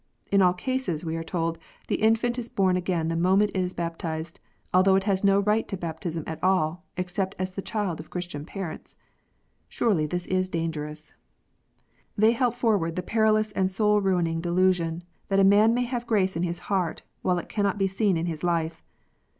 In all cases, we are told, the infant is born again the moment it is baptized, although it has no right to baptism at all, except as the child of Christian parents. Surely this is dangerous ! They help forward the perilous and soul ruining delusion that a man may have grace in his heart, while it cannot be seen in his life.